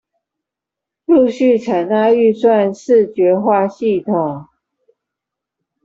陸續採納預算視覺化系統